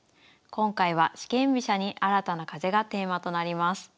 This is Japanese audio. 今回は「四間飛車に新たな風」がテーマとなります。